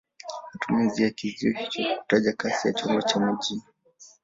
Matumizi ya kizio hicho ni kutaja kasi ya chombo cha majini.